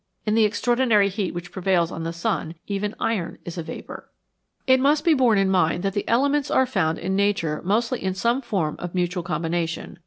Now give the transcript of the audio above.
In the extraordinary heat which prevails on the sun even iron is a vapour. It must be borne in mind that the elements are found in nature mostly in some form of mutual combination.